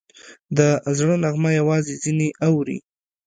د زړه نغمه یوازې ځینې اوري